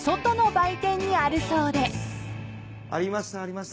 ありましたありました。